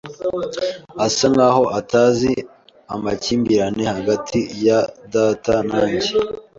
Asa nkaho atazi amakimbirane hagati ya data na njye.